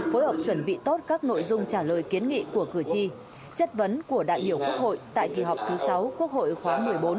phối hợp chuẩn bị tốt các nội dung trả lời kiến nghị của cử tri chất vấn của đại biểu quốc hội tại kỳ họp thứ sáu quốc hội khóa một mươi bốn